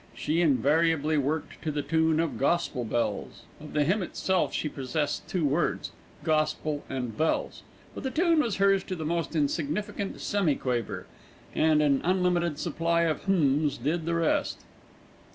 She invariably worked to the tune of "Gospel Bells." Of the hymn itself she possessed two words, "gospel" and "bells"; but the tune was hers to the most insignificant semi quaver, and an unlimited supply of "hms" did the rest.